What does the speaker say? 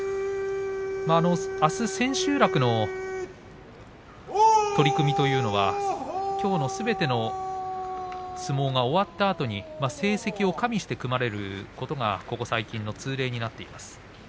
あす千秋楽の取組というのはきょうのすべての相撲が終わったあとに成績を加味して組まれることが最近の通例になっています。